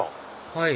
はい！